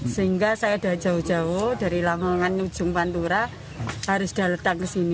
sehingga saya sudah jauh jauh dari lamongan ujung pantura harus sudah letak ke sini